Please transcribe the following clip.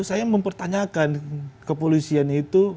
saya mempertanyakan kepolisian itu